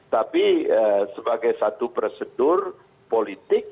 tapi sebagai satu prosedur politik